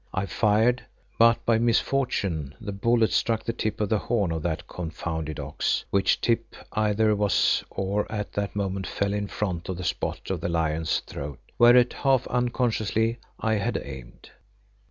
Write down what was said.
I fired, but by misfortune the bullet struck the tip of the horn of that confounded ox, which tip either was or at that moment fell in front of the spot on the lion's throat whereat half unconsciously I had aimed.